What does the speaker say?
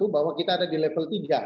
bahwa kita ada di level tiga